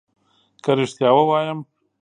که ريښتيا ووايم